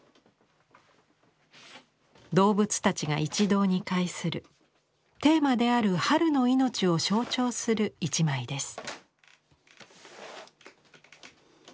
動物たちが一堂に会するテーマである「春の命」を象徴する１枚です。